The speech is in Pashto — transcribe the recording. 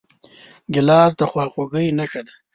ګیلاس د خواخوږۍ نښه ده.